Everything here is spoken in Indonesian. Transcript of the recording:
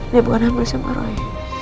dia bukan hamil sama roy